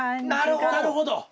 なるほど。